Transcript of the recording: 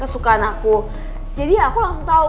kesukaan aku jadi aku langsung tahu